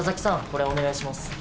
これお願いします